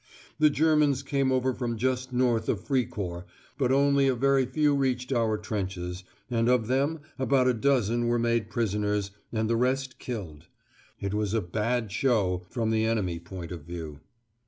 The Germans came over from just north of Fricourt, but only a very few reached our trenches, and of them about a dozen were made prisoners, and the rest killed. It was a "bad show" from the enemy point of view.